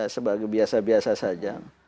sebagai biasa biasa saja